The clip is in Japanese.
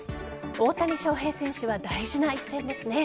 大谷翔平選手は大事な一戦ですね。